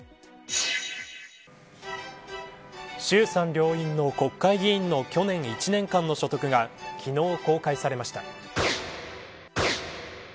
衆参両院の国会議員の去年１年間の所得が昨日、公開されました。